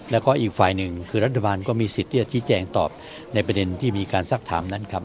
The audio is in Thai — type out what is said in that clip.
แล้วก็อีกฝ่ายหนึ่งคือรัฐบาลก็มีสิทธิ์ที่จะชี้แจงตอบในประเด็นที่มีการซักถามนั้นครับ